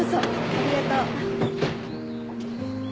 ありがとう。